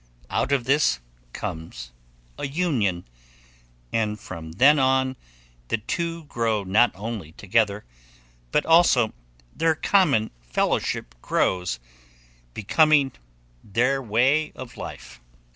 Out of this comes a union, and from then on, the two grow not only together, but also their common fellowship grows, becoming their way of life.